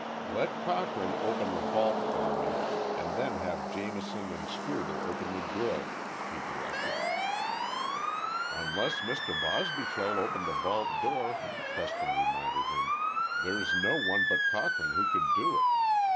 "Let Cochrane open the vault for me and then have Jamison and Strubel open the grille," he directed. "Unless Mr. Bosbyshell opened the vault door," Preston reminded him, "there's no one but Cochrane who could do it.